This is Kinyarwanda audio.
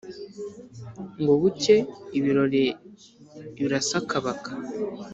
Ngo bucye ibirori birasakabaka,